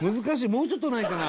もうちょっとないかな。